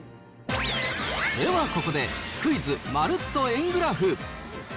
ではここで、クイズまるっと円グラフ。